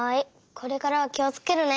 これからはきをつけるね。